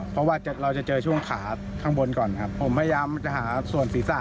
เพราะว่าเราจะเจอช่วงขาข้างบนก่อนครับผมพยายามจะหาส่วนศีรษะ